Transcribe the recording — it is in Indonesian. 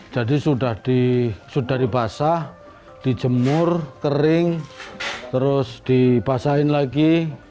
jadi sudah dibasah dijemur kering terus dibasahin lagi